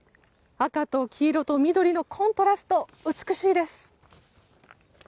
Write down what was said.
赤と黄色と緑のコントラスト美しいです。